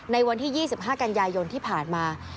ในวันที่๒๕กันยายนที่ผ่านมา